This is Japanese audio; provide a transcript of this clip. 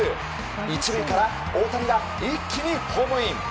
１塁から大谷が一気にホームイン！